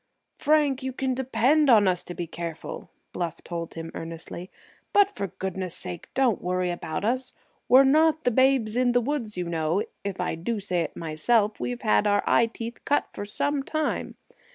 "Frank, you can depend on us to be careful," Bluff told him earnestly. "But for goodness' sake don't worry about us. We're not the 'Babes in the Woods,' you know. If I do say it myself, we've had our eyeteeth cut for some time.